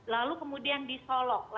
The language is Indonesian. lalu kemudian disolok